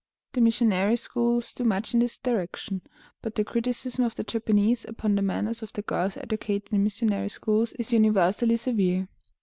The missionary schools do much in this direction, but the criticism of the Japanese upon the manners of the girls educated in missionary schools is universally severe.